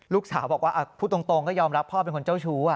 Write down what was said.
ลูกสาวบอกว่าพูดตรงก็ยอมรับพ่อเป็นคนเจ้าชู้